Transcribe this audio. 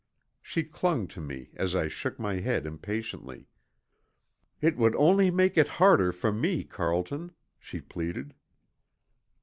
She clung to me as I shook my head impatiently. "It would only make it harder for me, Carlton!" she pleaded.